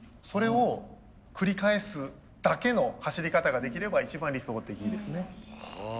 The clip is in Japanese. それを繰り返すだけの走り方ができれば一番理想的ですね。